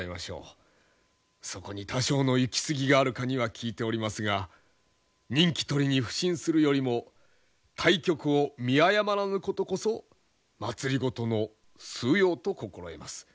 そこに多少の行き過ぎがあるかには聞いておりますが人気取りに腐心するよりも大局を見誤らぬことこそ政の枢要と心得ます。